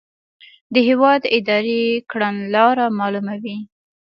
د هیواد اداري کړنلاره معلوموي.